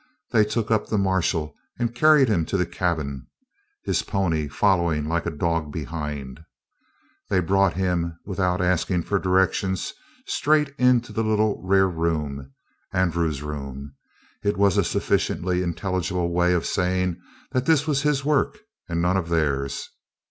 They took up the marshal and carried him to the cabin, his pony following like a dog behind. They brought him, without asking for directions, straight into the little rear room Andrew's room. It was a sufficiently intelligible way of saying that this was his work and none of theirs.